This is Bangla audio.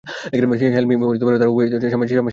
হেল, মি ও মিসেস তাঁহারা উভয়েই স্বামীজীকে বিশেষ ভালবাসিতেন।